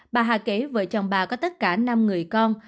bà hạ kể vợ chồng bà có tất cả năm người con